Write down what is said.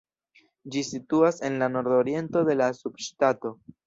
Ĝi situas en la nordoriento de la subŝtato.